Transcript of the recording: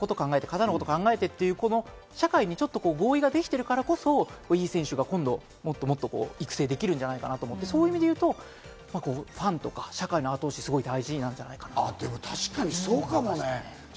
でも体のことを考えて、肩のことを考えてっていう、社会に合意ができてるからこそ、いい選手がもっと育成できるんじゃないかなと思って、そういう意味でいうと、ファンとか社会の後押しはすごく大事じゃないかなと思います。